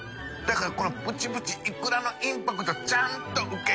世このプチプチイクラのインパクトちゃんと受け入れる。